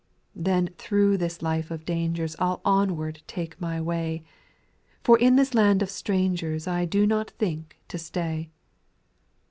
4. Then through this life of dangerg I'll onward take my way, For in this land of strangers I do not think to stay.